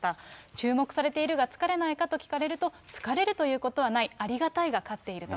注目されているけど疲れないかと聞かれると、疲れるということはない、ありがたいが勝ってると。